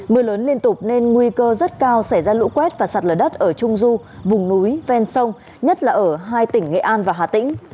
mưa lớn liên tục nên nguy cơ rất cao xảy ra lũ quét và sạt lở đất ở trung du vùng núi ven sông nhất là ở hai tỉnh nghệ an và hà tĩnh